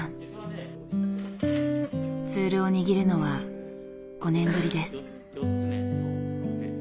ツールを握るのは５年ぶりです。